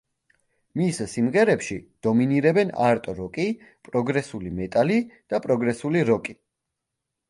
მის სიმღერებში დომინირებენ არტ-როკი, პროგრესული მეტალი და პროგრესული როკი.